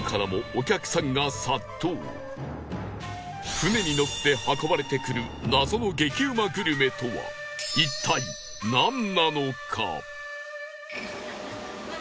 船にのって運ばれてくる謎の激うまグルメとは一体なんなのか？